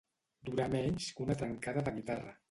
Durar menys que una trencada de guitarra.